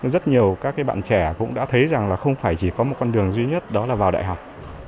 rất nhiều các bạn trẻ cũng đã thấy rằng là không phải chỉ có một con đường duy nhất đó là vào đại học